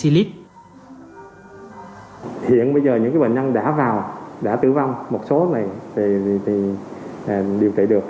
hiện bây giờ những bệnh nhân đã vào đã tử vong một số này thì điều trị được